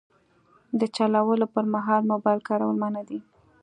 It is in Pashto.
د چلولو پر مهال موبایل کارول منع دي.